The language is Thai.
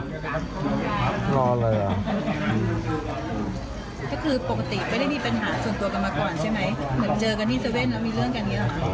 เหมือนเจอกันที่เซเวทมีเรื่องแบบนี้นะกัน